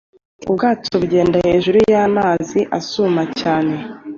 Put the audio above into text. Ubwato bugenda hejuru yamaziasuma cyane